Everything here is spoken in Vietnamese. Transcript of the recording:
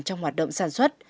trong hoạt động sản xuất